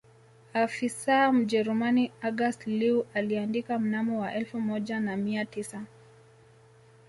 Afisa Mjerumani August Leue aliandika mnamo wa elfu moja na mia tisa